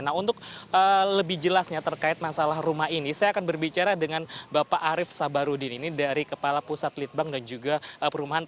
nah untuk lebih jelasnya terkait masalah rumah ini saya akan berbicara dengan bapak arief sabarudin ini dari kepala pusat litbang dan juga perumahan